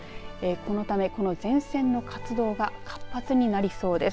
このため、この前線の活動が活発になりそうです。